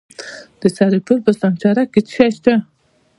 د سرپل په سانچارک کې څه شی شته؟